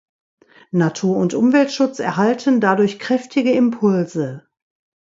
Natur- und Umweltschutz erhalten dadurch kräftige Impulse.